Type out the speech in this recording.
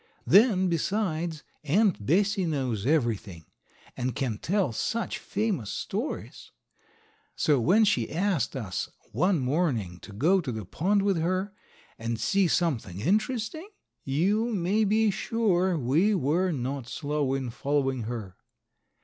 Then, besides, Aunt Bessie knows everything, and can tell such famous stories. So when she asked us one morning to go to the pond with her and see something interesting, you may be sure we were not slow in following her.